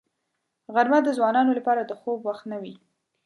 غرمه د ځوانانو لپاره د خوب وخت نه وي